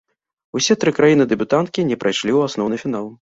Усе тры краіны-дэбютанткі не прайшлі ў асноўны фінал.